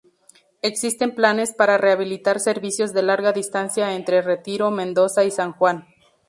Existen planes para rehabilitar servicios de larga distancia entre Retiro, Mendoza y San Juan.